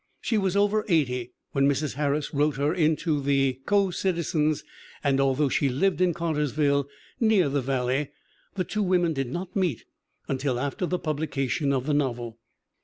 She was over 80 when Mrs. Harris wrote her into The Co Citizens and although she lived in Cartersville, near "the val ley," the two women did not meet until after the pub lication of the novel.